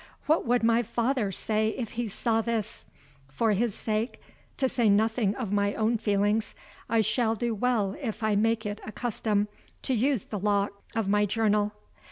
What would my father say if he saw this? For his sake, to say nothing of my own feelings, I shall do well if I make it a custom to use the lock of my journal.